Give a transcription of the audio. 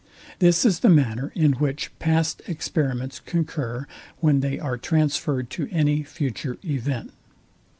This is the manner, in which past experiments concur, when they are transfered to any future event.